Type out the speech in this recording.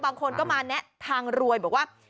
บางคนก็มาแนะทางรวยบอกว่า